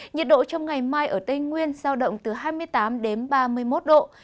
nhiệt độ trong ngày mai ở tây nguyên giao động từ hai mươi tám đến ba mươi một độ